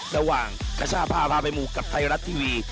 ระหว่างคชาพาพาไปมูลกับไทยรัสทีวี